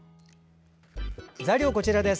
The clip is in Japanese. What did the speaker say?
材料、こちらです。